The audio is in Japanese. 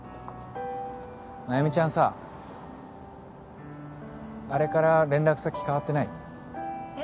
繭美ちゃんさあれから連絡先変わってない？え？